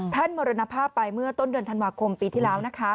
มรณภาพไปเมื่อต้นเดือนธันวาคมปีที่แล้วนะคะ